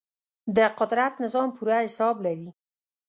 د قدرت نظام پوره حساب لري.